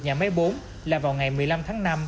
nhà máy bốn là vào ngày một mươi năm tháng năm